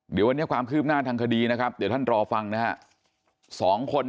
เดี๋ยววันนี้ความคืบหน้าทางคดีนะครับเดี๋ยวท่านรอฟังนะฮะ